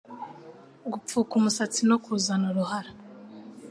Gupfuka umusatsi no kuzana uruhara